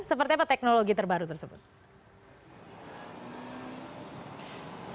seperti apa teknologi terbaru tersebut